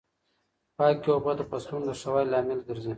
پاکې اوبه د فصلونو د ښه والي لامل ګرځي.